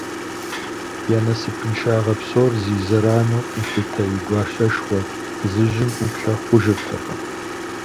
Я насыпыншагъэ псор зи зэрану къилъытэ и гуащэшхуэ фызыжьым ӏуплъэ хъужыртэкъым.